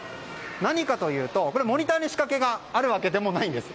何かというと、モニターに仕掛けがあるわけでもないんです。